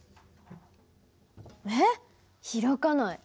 えっ開かない。